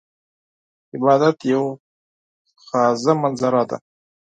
عبادت یوه خاضه منظره ده .